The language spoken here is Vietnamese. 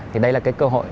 thì đây là cái cơ hội